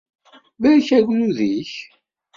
Barek agdud-ik!